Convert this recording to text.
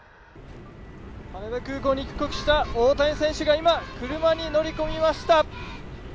羽田空港に到着した大谷翔平選手が今、車に乗り込みました！